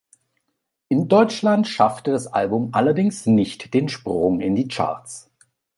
In Deutschland schaffte das Album allerdings nicht den Sprung in die Charts.